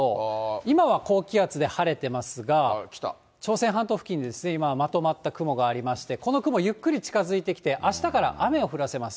今は高気圧で晴れてますが、朝鮮半島付近にですね、今、まとまった雲がありまして、この雲、ゆっくり近づいてきて、あしたから雨を降らせます。